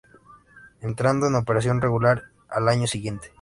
Entrando en operación regular al año siguiente.